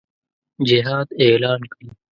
جهاد اعلان کړي.